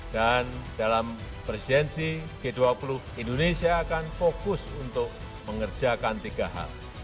dalam presidensi g dua puluh indonesia akan fokus untuk mengerjakan tiga hal